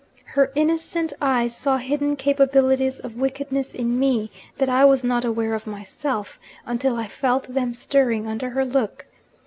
Her innocent eyes saw hidden capabilities of wickedness in me that I was not aware of myself, until I felt them stirring under her look.